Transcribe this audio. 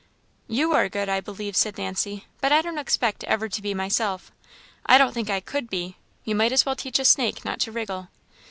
"You are good, I believe," said Nancy, "but I don't expect ever to be, myself I don't think I could be. You might as well teach a snake not to wriggle."